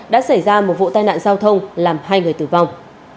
đã xảy ra một vụ tai nạn giao thông làm hai người tử vong